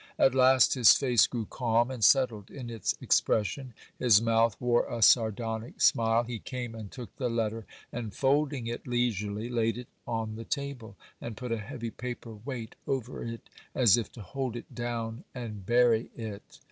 At last his face grew calm and settled in its expression, his mouth wore a sardonic smile; he came and took the letter, and folding it leisurely, laid it on the table, and put a heavy paper weight over it, as if to hold it down and bury it.